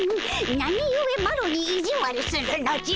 なにゆえマロにいじわるするのじゃ。